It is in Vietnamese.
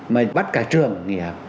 mà bắt cả trường nghỉ học